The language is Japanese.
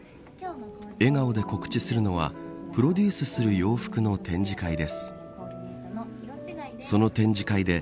笑顔で告知するのはプロデュースする洋服の展示会です。